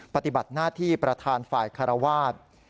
ปฏิบัติหน้าที่ประธานฝ่ายคารวาส